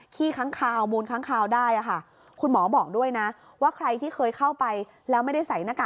ขี้ค้างคาวมูลค้างคาวได้อะค่ะ